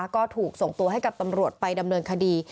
ก็ถูกส่งตัวให้กับตำรวจไปดำเนินคดี